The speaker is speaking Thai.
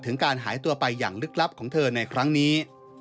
การหายตัวไปอย่างลึกลับของเธอในครั้งนี้